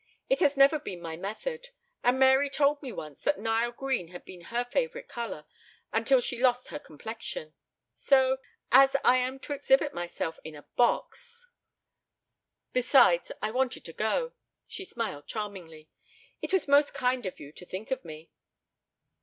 It has never been my method. And Mary told me once that Nile green had been her favorite color until she lost her complexion. So as I am to exhibit myself in a box enfin! ... Besides, I wanted to go." She smiled charmingly. "It was most kind of you to think of me."